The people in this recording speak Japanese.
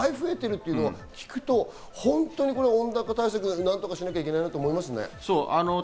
というのを聞くと本当の温暖化対策、何とかしなきゃいけないなと思いますね。